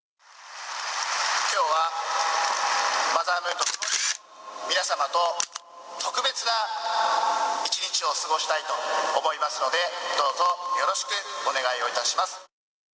きょうは、マザームーンと共に、皆様と特別な一日を過ごしたいと思いますので、どうぞよろしくお願いをいたします。